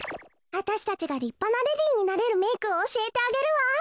わたしたちがりっぱなレディーになれるメークをおしえてあげるわ。